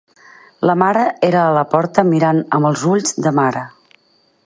La mare era a la porta mirant amb els ulls de mare